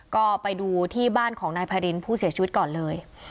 ก็ไปดูที่บ้านของนายพารินผู้เสียชีวิตก่อนเลย